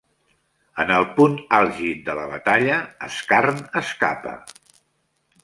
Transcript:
En el punt àlgid de la batalla, Scarn escapa.